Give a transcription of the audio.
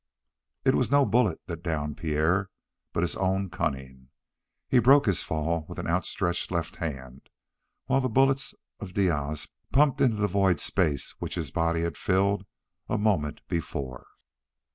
It was no bullet that downed Pierre but his own cunning. He broke his fall with an outstretched left hand, while the bullets of Diaz pumped into the void space which his body had filled a moment before.